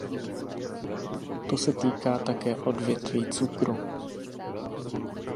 To se týká také odvětví cukru.